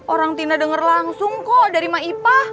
orang tina dengar langsung kok dari maipah